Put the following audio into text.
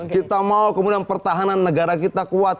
kita mau kemudian pertahanan negara kita kuat